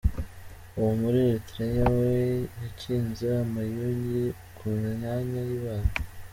Uwo muri Eritrea we yakinze amayugi ku myanya y’ibanga.